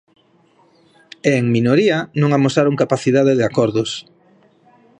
E en minoría, non amosaron capacidade de acordos.